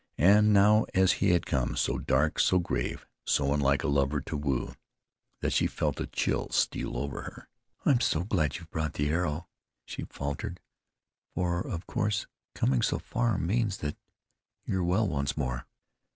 And now as he had come, so dark, so grave, so unlike a lover to woo, that she felt a chill steal over her. "I'm so glad you've brought the arrow," she faltered, "for, of course, coming so far means that you're well once more."